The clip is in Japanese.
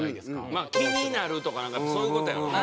まあ気になるとかなんかそういう事やろうな。